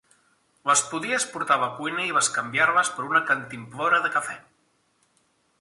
Les podies portar a la cuina i bescanviar-les per una cantimplora de cafè.